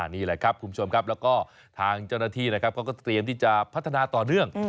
นี่แหละครับคุณผู้ชมครับแล้วก็ทางเจ้าหน้าที่นะครับเขาก็เตรียมที่จะพัฒนาต่อเนื่อง